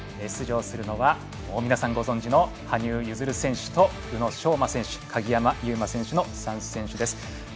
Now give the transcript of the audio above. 出場するのは皆さんご存じの羽生結弦選手と宇野昌磨選手鍵山優真選手の３選手です。